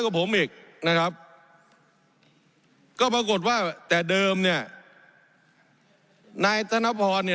กับผมอีกนะครับก็ปรากฏว่าแต่เดิมเนี่ยนายธนพรเนี่ย